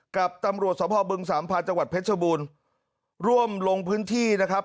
กับตำรวจสพบึงสามพันธ์จังหวัดเพชรบูรณ์ร่วมลงพื้นที่นะครับ